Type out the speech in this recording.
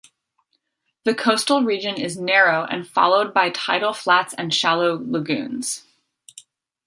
The coastal region is narrow and followed by tidal flats and shallow lagoons.